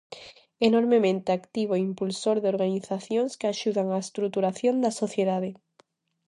Enormemente activo e impulsor de organizacións que axudan á estruturación da sociedade.